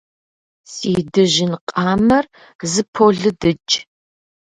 Си дыжьын къамэр зыполыдыкӏ.